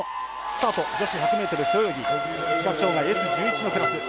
スタート、女子１００ｍ背泳ぎ視覚障がいＳ１１のクラス。